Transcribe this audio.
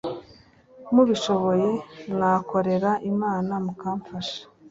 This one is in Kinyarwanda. mubishoboye mwakorera Imana mukamfasha